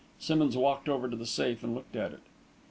Simmonds walked over to the safe and looked at it.